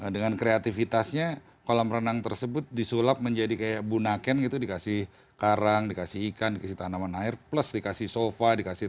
dengan kreativitasnya kolam renang tersebut disulap menjadi kayak bunaken gitu dikasih karang dikasih ikan dikasih tanaman air plus dikasih sofa